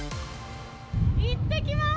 いってきまーす。